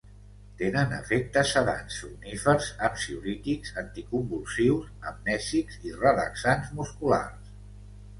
Tenen efectes sedants, somnífers, ansiolítics, anticonvulsius, amnèsics i relaxants musculars.